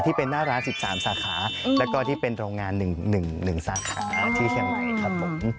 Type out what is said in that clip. ที่เป็นหน้าร้าน๑๓สาขาแล้วก็ที่เป็นโรงงาน๑สาขาที่เชียงใหม่ครับผม